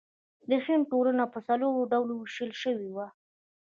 د هند ټولنه په څلورو ډلو ویشل شوې وه.